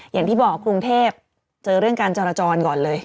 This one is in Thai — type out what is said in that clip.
อย่างที่บอกกรุงเทพเจอเรื่องการจราจรก่อนเลย